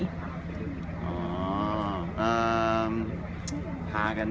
ไม่เป็นไรครับ